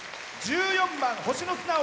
１４番「星の砂」